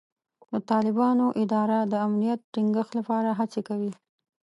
د طالبانو اداره د امنیت ټینګښت لپاره هڅې کوي.